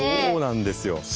そうなんですよ。